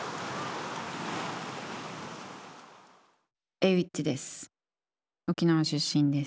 Ａｗｉｃｈです。